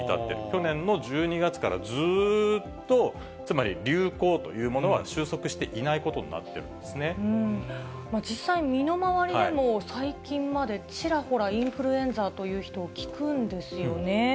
去年の１２月からずーっとつまり流行というものは収束していない実際、身の回りでも、最近までちらほらインフルエンザという人、聞くんですよね。